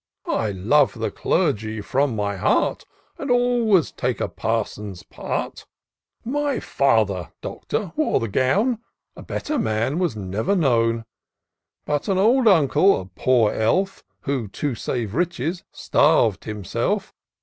" I love the Clergy from my heart, And always take a parson's part. }J[y father, Doctor, wore the gown ; A better man was never known: But an old uncle, a poor elf, Who, to save riches, starv'd himself.